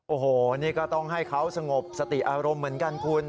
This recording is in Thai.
โอ้โหนี่ก็ต้องให้เขาสงบสติอารมณ์เหมือนกันคุณ